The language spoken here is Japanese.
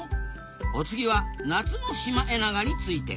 お次は夏のシマエナガについて。